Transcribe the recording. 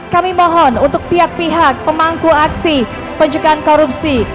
kami mohon untuk pihak pihak pemangku aksi pencegahan korupsi